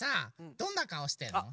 どんなかおしてんの？